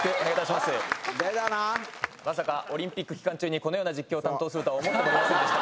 まさかオリンピック期間中にこのような実況を担当するとは思ってもみませんでした。